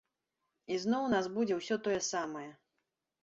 Ізноў у нас будзе ўсё тое самае.